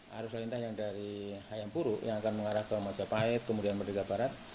arus lintas yang dari hayampuru yang akan mengarah ke majapahit kemudian merdeka barat